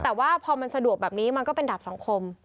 แต่ว่าพอมันสะดวกแบบนี้มันก็เป็นดาบสังคม